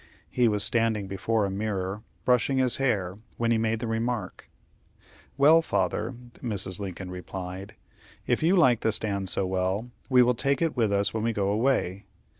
He was standing before a mirror, brushing his hair, when he made the remark. "Well, father," Mrs. Lincoln replied, "if you like the stand so well, we will take it with us when we go away."